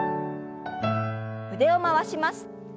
腕を回します。